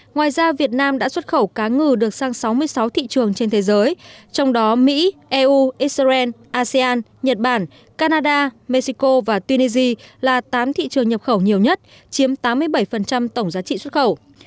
ngoài ra việt nam đã xuất khẩu cá ngừ được sang sáu mươi sáu thị trường trên thế giới trong đó mỹ eu israel asean nhật bản canada mexico và tunisia là tám thị trường nhập khẩu nhiều nhất chiếm tám mươi bảy tổng giá trị xuất khẩu